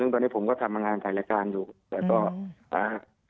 ตอนนี้ผมก็ทำมางานถ่ายแหละการ